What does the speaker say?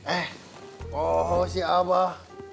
eh oh si abah